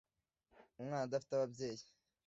umwana adafite ababyeyi